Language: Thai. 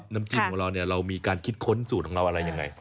น้ำจิ้มของเราเนี่ยเรามีการคิดค้นสูตรของเราอะไรยังไง